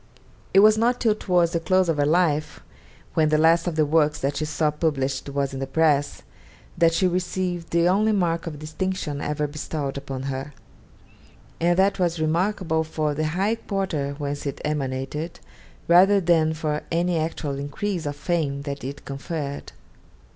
It was not till towards the close of her life, when the last of the works that she saw published was in the press, that she received the only mark of distinction ever bestowed upon her; and that was remarkable for the high quarter whence it emanated rather than for any actual increase of fame that it conferred.